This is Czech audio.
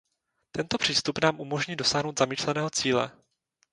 Tento přístup nám umožní dosáhnout zamýšleného cíle.